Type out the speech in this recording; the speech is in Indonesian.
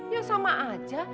ya sama aja